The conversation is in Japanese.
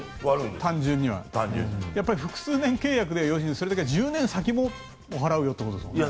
単純には。複数年契約で１０年先も払うよってことですか？